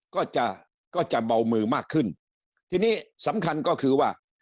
ก็จะก็จะเบามือมากขึ้นทีนี้สำคัญก็คือว่า